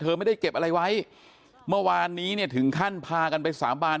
ไม่ได้เก็บอะไรไว้เมื่อวานนี้เนี่ยถึงขั้นพากันไปสาบาน